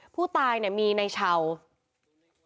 ผู้ตายมีในเชาะ